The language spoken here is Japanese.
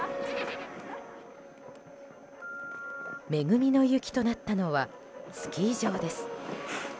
惠みの雪となったのはスキー場です。